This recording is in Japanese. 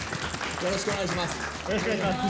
よろしくお願いします。